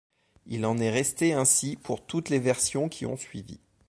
Il en est resté ainsi pour toutes les versions qui ont suivi.